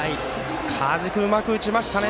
加地君うまく打ちましたね。